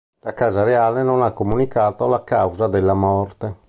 La Casa Reale non ha comunicato la causa della morte.